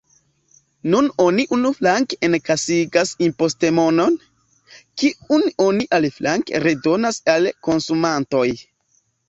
Nun oni unuflanke enkasigas impostmonon, kiun oni aliflanke redonas al konsumantoj.